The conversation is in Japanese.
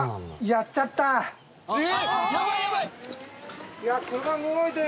やっちゃったね。